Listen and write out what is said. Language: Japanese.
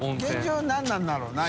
従何なんだろうな？